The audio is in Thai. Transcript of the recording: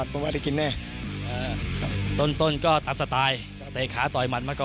ถ้าพอชายอีกไหม